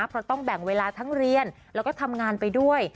เพราะต้องแบ่งเวลาทั้งเรียนแล้วก็ทำงานไปด้วย